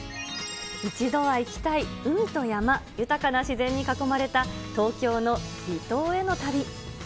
一度は行きたい海と山、豊かな自然に囲まれた東京の離島への旅。